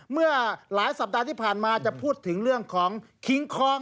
เมื่อหลายสัปดาห์ที่ผ่านมาจะพูดถึงเรื่องของคิงคอง